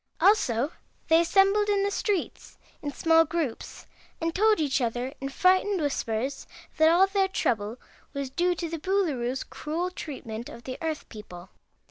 Also they assembled in the streets in small groups and told each other in frightened whispers that all their trouble was due to the Boolooroo's cruel treatment of the Earth people.